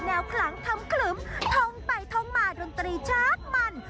ลุกหลังทำคลึมท่องไปท่องมาดนตรีชักมัน